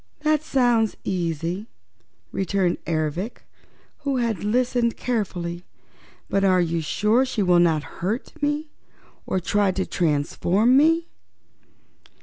"That sounds easy," returned Ervic, who had listened carefully. "But are you sure she will not hurt me, or try to transform me?"